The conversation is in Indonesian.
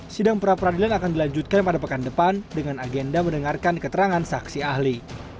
sidang pra peradilan akan dilanjutkan pada pekan depan dengan agenda mendengarkan keterangan saksi ahli